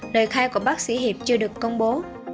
lời khai của bác sĩ hiệp chưa được công bố